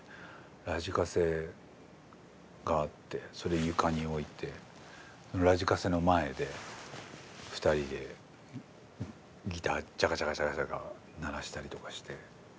ラジカセがあってそれ床に置いてラジカセの前で２人でギタージャカジャカジャカジャカ鳴らしたりとかして。